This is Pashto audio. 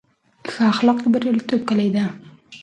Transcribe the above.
ښه اخلاق د بریالیتوب کیلي ده.